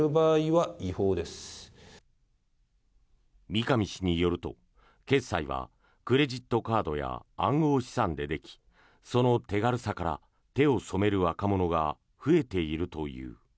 三上氏によると決済はクレジットカードや暗号資産でできその手軽さから手を染める若者が増えているという。